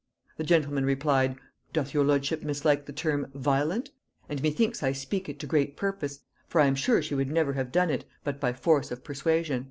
The gentleman replied, 'Doth your lordship mislike the term (violent)? and methinks I speak it to great purpose; for I am sure she would never have done it, but by force of persuasion.'"